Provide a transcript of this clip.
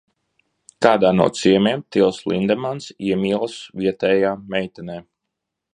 Kādā no ciemiem Tils Lindemans iemīlas vietējā meitenē.